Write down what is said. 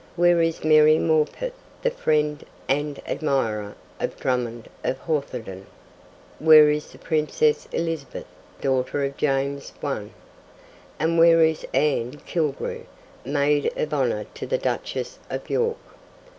Where is Mary Morpeth, the friend and admirer of Drummond of Hawthornden? Where is the Princess Elizabeth, daughter of James I., and where is Anne Killigrew, maid of honour to the Duchess of York?